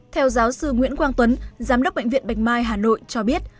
theo giáo sư nguyễn quang tuấn giám đốc bệnh viện bạch mai hà nội cho biết